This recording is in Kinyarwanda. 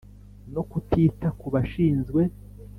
no kutita kubashinzwe.